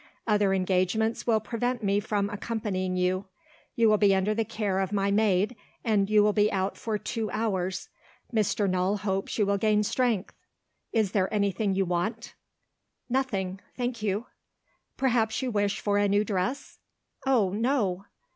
Other engagements will prevent me from accompanying you. You will be under the care of my maid, and you will be out for two hours. Mr. Null hopes you will gain strength. Is there anything you want?" "Nothing thank you." "Perhaps you wish for a new dress?" "Oh, no!"